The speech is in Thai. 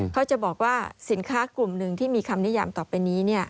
เขาจะบอกว่าสินค้ากลุ่มหนึ่งที่มีคำนิยามต่อไปนี้